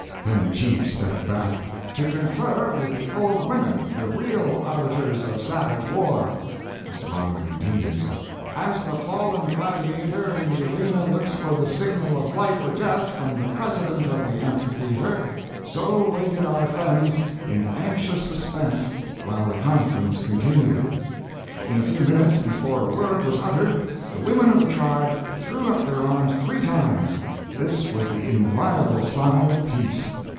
Then the chief stepped back "to confer with the old women the real arbiters of savage war." Mr. Bonwick continues: "As the fallen gladiator in the arena looks for the signal of life or death from the president of the amphitheatre, so waited our friends in anxious suspense while the conference continued. In a few minutes, before a word was uttered, the women of the tribe threw up their arms three times. This was the inviolable sign of peace!